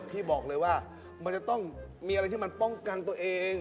พี่บอกเลยว่ามันจะต้องมีอะไรที่มันป้องกันตัวเอง